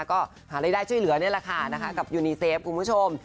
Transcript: ก็หารายได้ช่วยเหลือนี่แหละค่ะนะคะกับยูนีเซฟคุณผู้ชม